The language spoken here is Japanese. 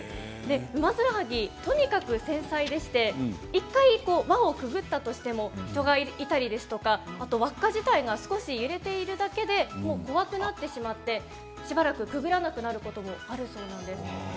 ウマヅラハギとにかく繊細でして１回、輪をくぐったとしても人がいたり、あと輪っか自体が少し揺れているだけで怖くなってしまってしばらくくぐらなくなることもあるそうなんです。